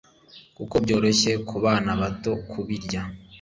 kuko byoroshye ku bana bato kubirya